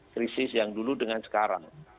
krisis yang dulu dengan sekarang